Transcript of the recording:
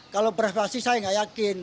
kalau beras plastik saya nggak yakin